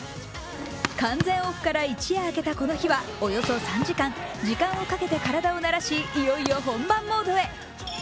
完全オフから一夜明けたこの日はおよそ３時間時間をかけて体を慣らしいよいよ本番モードへ。